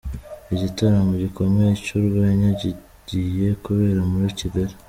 Igitaramo gikomeye cy'urwenya kigiye kubera muri Kigali.